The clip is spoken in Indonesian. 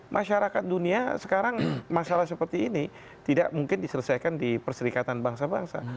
masyarakat dunia sekarang masalah seperti ini tidak mungkin diselesaikan di perserikatan bangsa bangsa